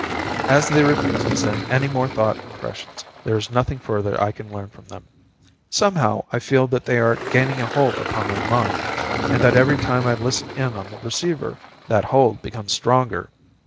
As they refuse to send any more thought impressions, there is nothing further I can learn from them. Somehow, I feel that they are gaining a hold upon my mind, and that every time I listen in on the receiver, that hold becomes stronger.